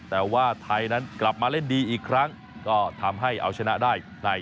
สวัสดีครับ